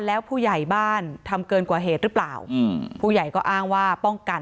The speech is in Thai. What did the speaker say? แล้วผู้ใหญ่บ้านทำเกินกว่าเหตุหรือเปล่าอืมผู้ใหญ่ก็อ้างว่าป้องกัน